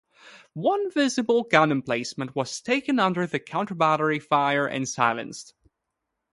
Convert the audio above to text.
One visible gun emplacement was taken under counterbattery fire and silenced.